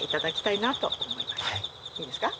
いいですか？